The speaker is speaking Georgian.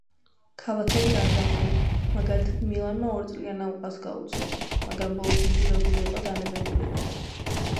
ქალაქები აჯანყდნენ: მაგალითა, მილანმა ორწლიან ალყას გაუძლო, მაგრამ ბოლოს იძულებული იყო, დანებებულიყო.